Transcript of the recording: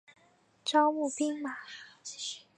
招募兵马。